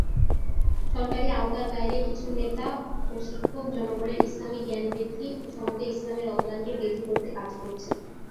সরকারি আওতার বাইরে কিছু নেতা ও শিক্ষক জনগনের ইসলামিক জ্ঞান বৃদ্ধি এবং সমাজে ইসলামের অবদানকে বৃদ্ধি করতে কাজ করছেন।